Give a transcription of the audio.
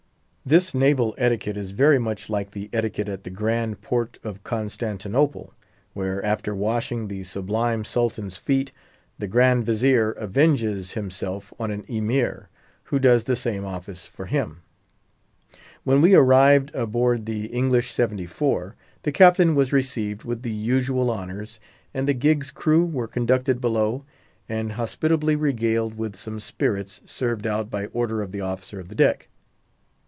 This naval etiquette is very much like the etiquette at the Grand Porte of Constantinople, where, after washing the Sublime Sultan's feet, the Grand Vizier avenges himself on an Emir, who does the same office for him. When we arrived aboard the English seventy four, the Captain was received with the usual honours, and the gig's crew were conducted below, and hospitably regaled with some spirits, served out by order of the officer of the deck.